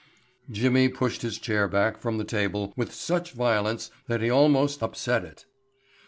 Jimmy pushed his chair back from the table with such violence that he almost upset it.